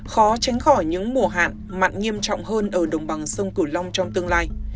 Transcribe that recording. khó tránh khỏi những mùa hạn mặn nghiêm trọng hơn ở đồng bằng sông cửu long trong tương lai